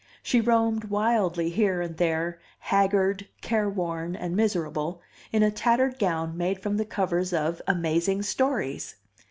She roamed wildly here and there, haggard, careworn and miserable, in a tattered gown made from the covers of AMAZING STORIES.